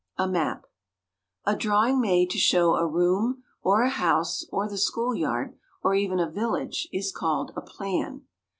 A MAP A drawing made to show a room, or a house; or the school yard, or even a village, is called a plan.